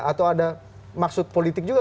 atau ada maksud politik juga